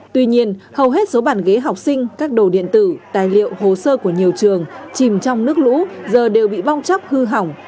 tuy nhiên hầu hết số bàn ghế học sinh các đồ điện tử tài liệu hồ sơ của nhiều trường chìm trong nước lũ giờ đều bị bong chóc hư hỏng